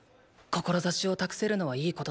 志を託せるのはいいことだ。